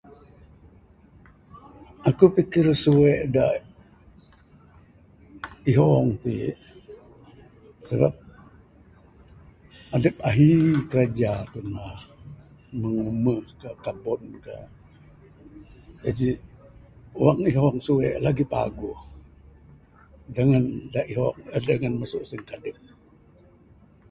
Aku pikir suwe'k da ihong ti sabab adup ahi kiraja tundah meng umeh ka kabon ka. Jaji wang ihong suwe'k lagi paguh dangan da ihong, dangan da masu singkadep.